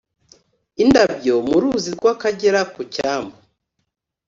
indabyo mu ruzi rw akagera ku cyambu